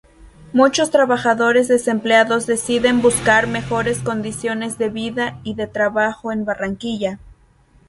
Muchos trabajadores desempleados deciden buscar mejores condiciones de vida y de trabajo en Barranquilla.